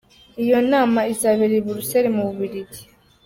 Iyo nama izabera I Buruseli mu Bubiligi